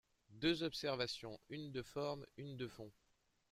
Deux observations, une de forme, une de fond.